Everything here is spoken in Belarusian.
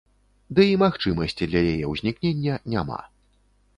Ды і магчымасці для яе ўзнікнення няма.